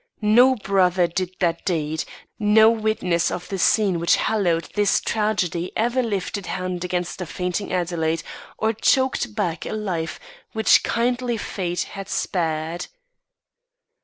No brother did that deed; no witness of the scene which hallowed this tragedy ever lifted hand against the fainting Adelaide, or choked back a life which kindly fate had spared.